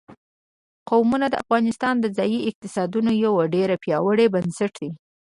قومونه د افغانستان د ځایي اقتصادونو یو ډېر پیاوړی بنسټ دی.